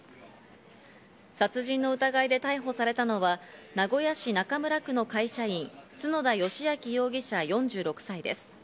殺人の疑いで逮捕されたのは、名古屋市中村区の会社員・角田佳陽容疑者、４６歳です。